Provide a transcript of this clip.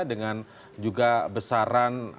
dengan juga besaran